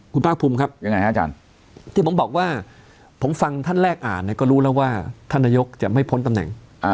คุณป้ากภูมิครับที่ผมบอกว่าผมฟังท่านแรกอ่านน่ะก็รู้แล้วว่าท่านนายกจะไม่พ้นตำแหน่ง